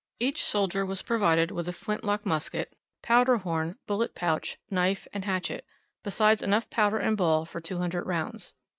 Each soldier was provided with a flintlock musket, powder horn, bullet pouch, knife, and hatchet, besides enough powder and ball for 200 rounds.